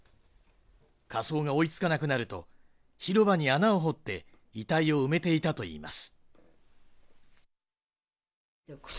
火葬が追いつかなくなると、広場に穴を掘って遺体を埋めていたといいます。